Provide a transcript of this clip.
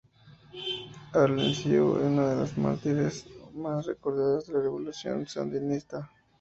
Arlen Siu es una de las mártires más recordadas de la Revolución Sandinista.